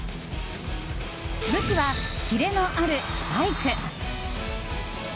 武器はキレのあるスパイク！